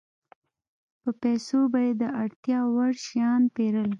په پیسو به یې د اړتیا وړ شیان پېرل